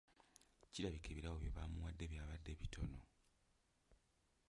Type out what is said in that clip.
Kirabika ebirabo bye baamuwadde byabadde bitono.